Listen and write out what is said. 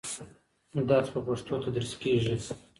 درس په پښتو تدریس کېږي.